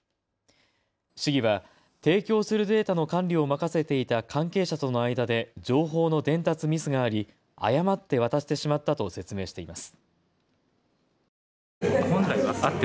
市議は提供するデータの管理を任せていた関係者との間で情報の伝達ミスがあり、誤って渡ってしまったと説明しています。